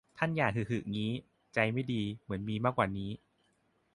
ท่านอย่าหึหึงี้ ใจไม่ดี เหมือนมีมากกว่านี้